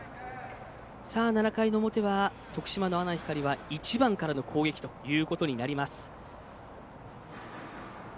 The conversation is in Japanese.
７回の表は、徳島の阿南光は１番からの攻撃ということになります。